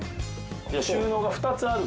収納が２つある。